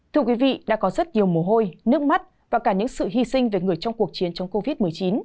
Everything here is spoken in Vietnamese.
thưa quý vị đã có rất nhiều mồ hôi nước mắt và cả những sự hy sinh về người trong cuộc chiến chống covid một mươi chín